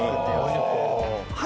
はい。